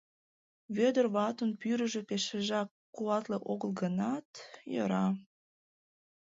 Вӧдыр ватын пӱрыжӧ пешыжак куатле огыл гынат, йӧра.